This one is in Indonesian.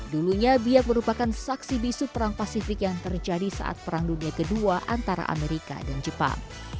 dulunya biak merupakan saksi bisu perang pasifik yang terjadi saat perang dunia ii antara amerika dan jepang